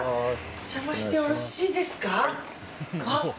お邪魔してよろしいですか。